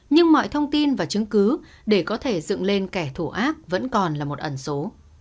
nhưng mọi thông tin và chứng cứ để có thể dựng lên kẻ thù ác vẫn còn là một ẩn số